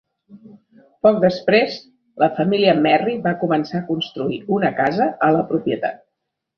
Poc després, la família Merry va començar a construir una casa a la propietat.